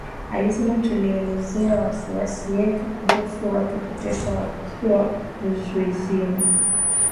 Alisema tulielezea wasiwasi yetu kuhusu watu kuteswa wakiwa kizuizini